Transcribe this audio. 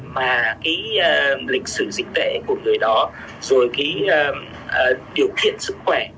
mà cái lịch sử dịch tễ của người đó rồi cái điều kiện sức khỏe